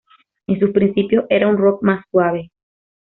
En sus principios era un rock más suave.